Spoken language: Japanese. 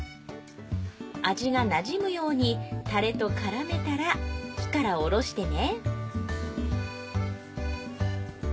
味がなじむようにタレとからめたら火からおろしてね